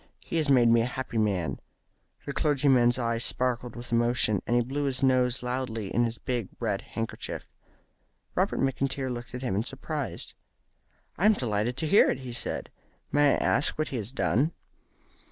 He has made me a happy man." The clergyman's eyes sparkled with emotion, and he blew his nose loudly in his big red handkerchief. Robert McIntyre looked at him in surprise. "I am delighted to hear it," he said. "May I ask what he has done?"